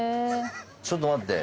ちょっと待って。